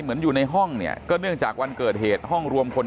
อยู่ในห้องเนี่ยก็เนื่องจากวันเกิดเหตุห้องรวมคน